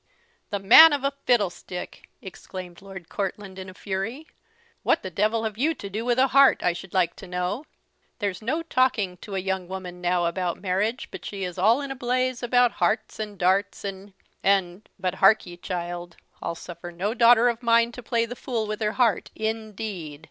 "The man of a fiddlestick!" exclaimed Lord Courtland in a fury; "what the devil have you to do with a heart, I should like to know? There's no talking to a young woman now about marriage, but she is all in a blaze about hearts, and darts, and and But hark ye, child, I'll suffer no daughter of mine to play the fool with her heart, indeed!